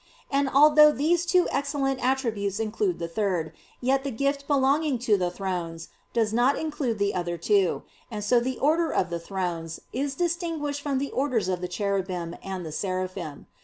And although these two excellent attributes include the third, yet the gift belonging to the "Thrones" does not include the other two; and so the order of the "Thrones" is distinguished from the orders of the "Cherubim" and the "Seraphim."